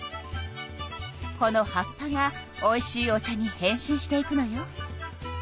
この葉っぱがおいしいお茶に変身していくのよ。